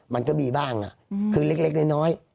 มันก็มีบ้างคือเล็กน้อย